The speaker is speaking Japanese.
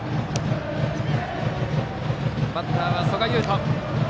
バッターは曽我雄斗。